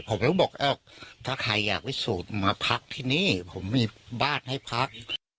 ผมก็บอกถ้าใครอยากพิสูจน์มาพักที่นี่ผมมีบ้านให้พัก